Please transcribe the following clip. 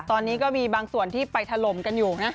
ตอนนี้ก็มีบางส่วนที่ไปถล่มกันอยู่นะ